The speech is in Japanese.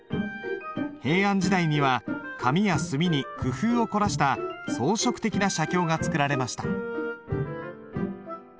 平安時代には紙や墨に工夫を凝らした装飾的な写経が作られました。